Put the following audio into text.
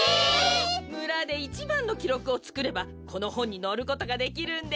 むらでいちばんのきろくをつくればこのほんにのることができるんです。